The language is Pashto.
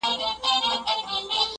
یوه ورځ دهقان له کوره را وتلی.!